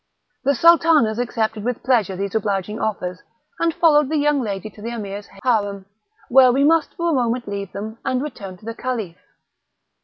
The sultanas accepted with pleasure these obliging offers, and followed the young lady to the Emir's harem, where we must for a moment leave them, and return to the Caliph.